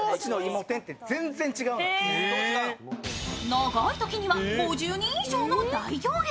長い時には５０人以上の大行列。